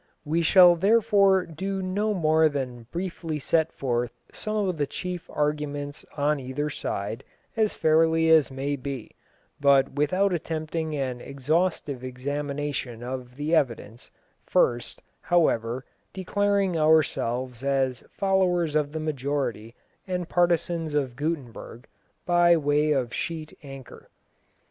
We shall therefore do no more than briefly set forth some of the chief arguments on either side as fairly as may be, but without attempting an exhaustive examination of the evidence, first, however, declaring ourselves as followers of the majority and partisans of Gutenberg, by way of sheet anchor.